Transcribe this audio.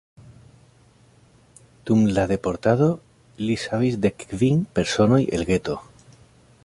Dum la deportado li savis dekkvin personoj el geto.